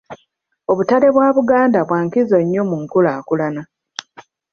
Obutale bwa Buganda bwa nkizo nnyo mu nkulaakulana.